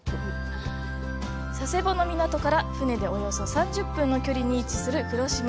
佐世保の港から船でおよそ３０分の距離に位置する黒島。